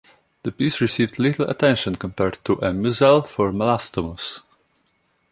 The piece received little attention compared to "A Mouzell for Melastomus".